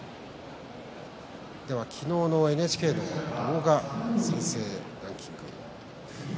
昨日のＮＨＫの動画再生ランキングです。